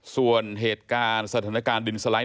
ส่วนเหตุการณ์สถานการณ์ดินสไลด์